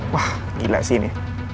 wah gila sih ini